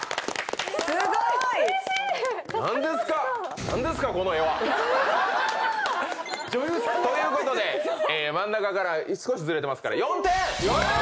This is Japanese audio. すごーい！ということで真ん中から少しずれてますから４点。